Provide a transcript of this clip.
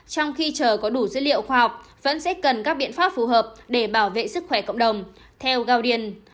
trong khi chờ có đủ dữ liệu khoa học vẫn sẽ cần các biện pháp phù hợp để bảo vệ sức khỏe cộng đồng theo goudian